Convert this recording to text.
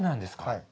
はい。